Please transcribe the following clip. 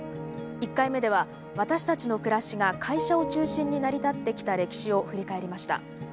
１回目では私たちの暮らしが会社を中心に成り立ってきた歴史を振り返りました。